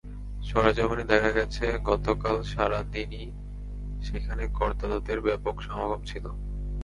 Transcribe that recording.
সরেজমিনে দেখা গেছে, গতকাল সারা দিনই সেখানে করদাতাদের ব্যাপক সমাগম ছিল।